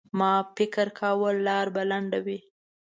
ما فکر کاوه لاره به لنډه وي.